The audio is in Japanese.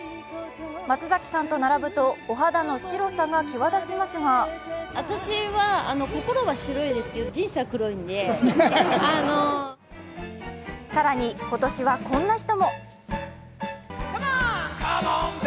松崎さんと並ぶとお肌の白さが際立ちますが更に今年はこんな人も。